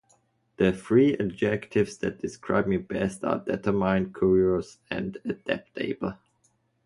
The three adjectives that describe me best are determined, curious, and adaptable.